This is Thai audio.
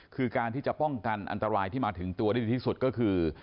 คือการที่จะป้องกันอันตรายที่มาถึงตัวได้ดีที่สุดก็คือ